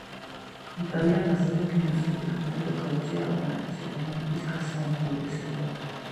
იტალიამ ასევე ფინანსური დახმარება გაუწია ალბანეთის ეკონომიკის გასაუმჯობესებლად.